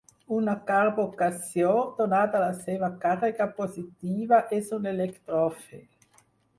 Un carbocatió, donada la seva càrrega positiva és un electròfil.